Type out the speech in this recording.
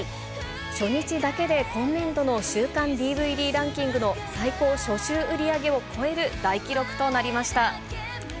初日だけで今年度の週間ＤＶＤランキングの最高初週売り上げを超える大記録となりました。